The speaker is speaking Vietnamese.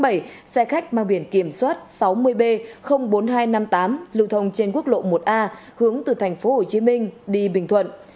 xe khách mang biển kiểm soát sáu mươi b bốn nghìn hai trăm năm mươi tám lưu thông trên quốc lộ một a hướng từ tp hcm đi bình thuận